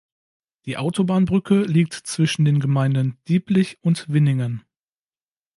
Die Autobahnbrücke liegt zwischen den Gemeinden Dieblich und Winningen.